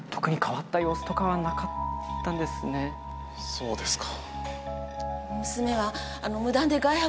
そうですか。